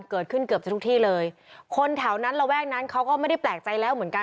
เกิดขึ้นเกือบจะทุกที่เลยคนแถวนั้นระแวกนั้นเขาก็ไม่ได้แปลกใจแล้วเหมือนกัน